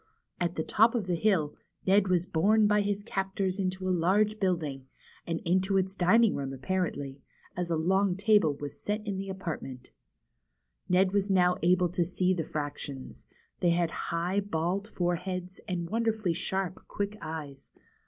At the top of the hill, Ned was borne by his captors into a large building, and into its dining room apparently, as a long table was set in the apartment. Ned was now able to see the fractions. They had high, bald foreheads, and wonderfully sharp, quick eyes.